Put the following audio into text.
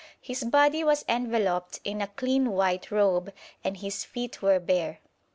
His body was enveloped in a clean white robe, and his feet were bare.